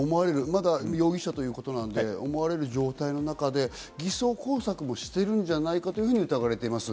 まだ容疑者ということなので、思われる状態の中で偽装工作もしてるんじゃないかと疑われています。